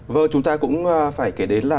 vâng chúng ta cũng phải kể đến là